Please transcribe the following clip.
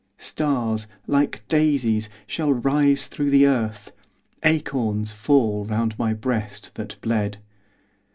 Stars, like daisies, shall rise through the earth, Acorns fall round my breast that bled.